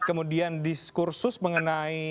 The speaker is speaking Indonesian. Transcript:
kemudian diskursus mengenai